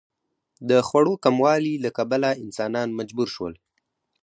د خوړو کموالي له کبله انسانان مجبور شول.